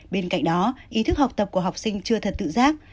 bên cạnh đó ý thức học tập của học sinh chưa thật tự giác